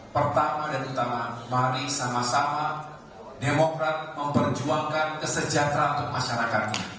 pertama dan utama mari sama sama demokrat memperjuangkan kesejahteraan untuk masyarakat